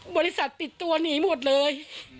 บริษัทปิดตัวหนีหมดเลย